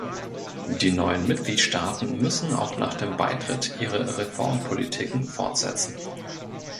Die neuen Mitgliedstaaten müssen auch nach dem Beitritt ihre Reformpolitiken fortsetzen.